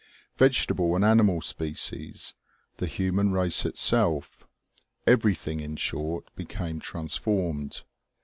Vegetable and animal OMEGA. 231 species, the human race itself, everything in short, became transformed.